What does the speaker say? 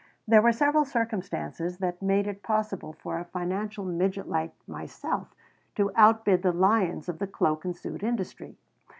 There were several circumstances that made it possible for a financial midget like myself to outbid the lions of the cloak and suit industry.